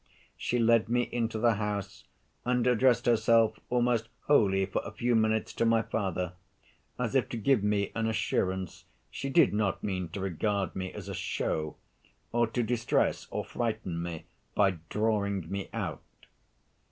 She led me into the house, and addressed herself almost wholly for a few minutes to my father, as if to give me an assurance she did not mean to regard me as a show, or to distress or frighten me by drawing me out.